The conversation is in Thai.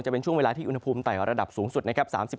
จะเป็นช่วงเวลาที่อุณหภูมิไต่ระดับสูงสุดนะครับ